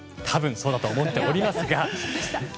そうだと思っておりますが。